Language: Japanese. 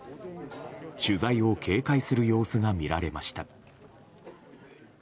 取材を警戒する様子が見られました。